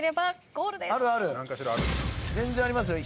全然ありますよ。